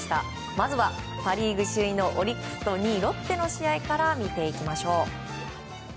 まずは、パ・リーグ首位のオリックスと２位ロッテの試合から見ていきましょう。